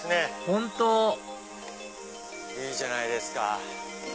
本当いいじゃないですか。